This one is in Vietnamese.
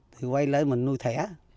thì quay lại mình nuôi thẻ